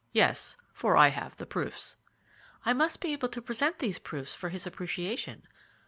"Yes; for I have the proofs." "I must be able to present these proofs for his appreciation."